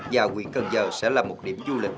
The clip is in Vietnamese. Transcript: và nguyện cần giờ sẽ là một điểm du lịch